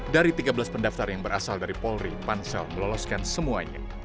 dari tiga belas pendaftar yang berasal dari polri pansel meloloskan semuanya